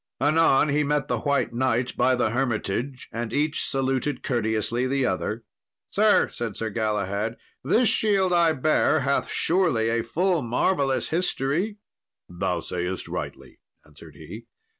Anon he met the White Knight by the hermitage, and each saluted courteously the other. "Sir," said Sir Galahad, "this shield I bear hath surely a full marvellous history." "Thou sayest rightly," answered he.